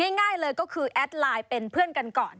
ง่ายเลยก็คือแอดไลน์เป็นเพื่อนกันก่อน